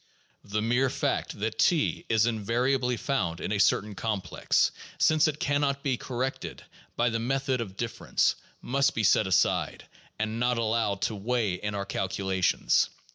The mere fact that T is invariably found in a certain complex, since it can not be corrected by the method of difference, must be set aside, and not allowed to weigh in our calculations.